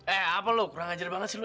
eh apa lo kurang ajar banget sih lo